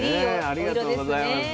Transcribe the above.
ありがとうございます。